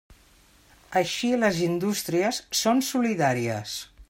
Així les indústries són solidàries.